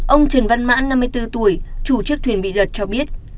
ông trần văn mãn năm mươi bốn tuổi chủ chiếc thuyền bị lật cho biết